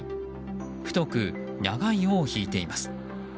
太く長い尾を引いています。